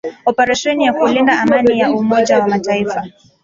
operesheni ya kulinda Amani ya Umoja wa mataifa